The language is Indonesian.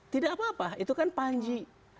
tidak apa apa itu kan panji